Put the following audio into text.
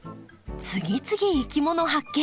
次々いきもの発見！